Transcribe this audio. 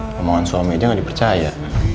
ngomongan suami aja gak dipercaya